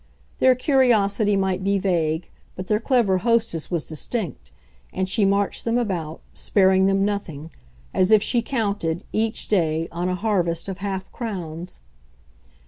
Their curiosity might be vague, but their clever hostess was distinct, and she marched them about, sparing them nothing, as if she counted, each day, on a harvest of half crowns.